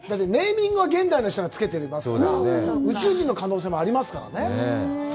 ネーミングは現代の人がつけてますから宇宙人の可能性もありますからね。